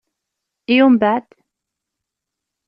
I umbeɛd?